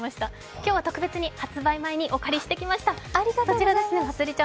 今日は特別に発売前にお借りしてきました。